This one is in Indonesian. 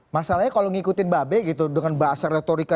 masalahnya kalau ngikutin mbak be gitu dengan bahasa retorika